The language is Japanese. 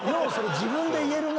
自分で言えるな。